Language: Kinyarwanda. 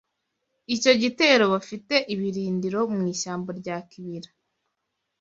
icyo gitero bafite ibirindiro mu ishyamba rya Kibira